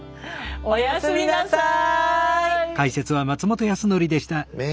おやすみなさい。